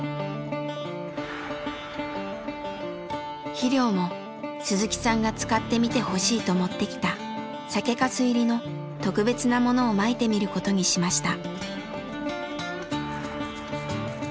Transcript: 肥料も鈴木さんが使ってみてほしいと持ってきた酒かす入りの特別なものをまいてみることにしました。